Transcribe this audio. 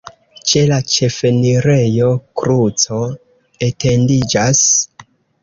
Ĉe la ĉefenirejo kruco etendiĝas.